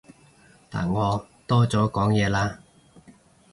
但我多咗講嘢啦